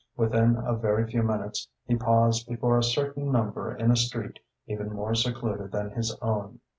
Within a very few minutes he paused before a certain number in a street even more secluded than his own.